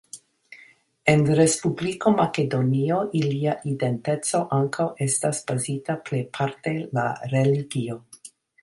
En Respubliko Makedonio ilia identeco ankaŭ estas bazita plejparte la religio.